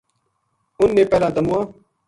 انھ نے پہلاں تمواں